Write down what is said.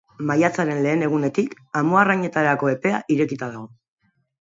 Maiatzaren lehen egunetik, amuarrainetarako epea irekia dago.